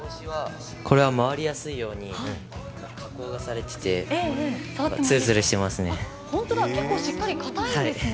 これは回りやすいように加工がされててつるつるしてますね。